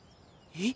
えっ？